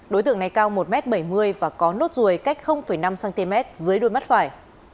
đối tượng này cao một m bảy mươi và có nốt ruồi cách năm cm dưới đuôi mắt phải